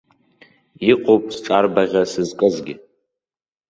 Иҟоуп сҿарбаӷьа сызкызгьы.